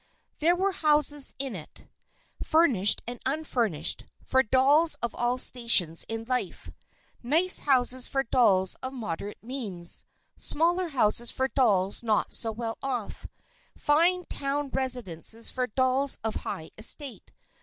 There were houses in it, furnished and unfurnished, for dolls of all stations in life. Nice houses for dolls of moderate means; smaller houses for dolls not so well off; fine town residences for dolls of high estate.